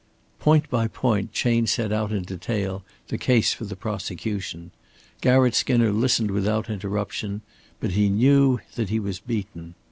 Point by point Chayne set out in detail the case for the prosecution. Garratt Skinner listened without interruption, but he knew that he was beaten.